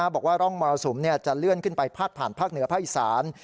บอกว่าร่องมรสุมจะเลื่อนขึ้นไปพาดผ่านภาคเหนือภาคอีสาน